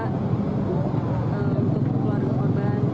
untuk keluarga korban